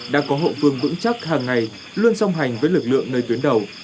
đã có hậu phương vững chắc hàng ngày luôn song hành với lực lượng nơi tuyến đầu